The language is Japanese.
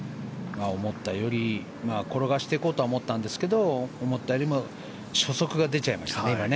転がしていこうとは思ったんですけど思ったよりも初速が出ちゃいましたね。